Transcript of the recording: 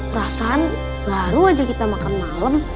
perasaan baru aja kita makan malam